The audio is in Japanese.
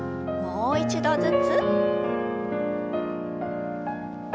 もう一度ずつ。